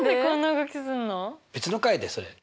別の回でそれ。